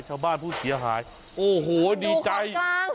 ชาวบ้านผู้เสียหายโอ้โหดีใจ